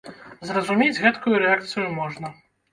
Зразумець гэткую рэакцыю можна.